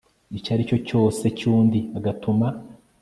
icyo ari cyo cyose cy undi agatuma